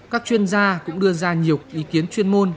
các chuyên gia cũng đưa ra nhiều ý kiến chuyên môn